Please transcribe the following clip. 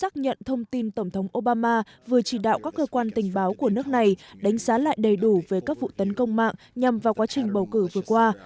nhà trắng đã đưa ra thông tin tổng thống obama vừa chỉ đạo các cơ quan tình báo của nước này đánh giá lại đầy đủ về các vụ tấn công mạng nhằm vào quá trình bầu cử vừa qua